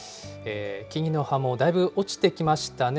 木々の葉もだいぶ落ちてきましたね。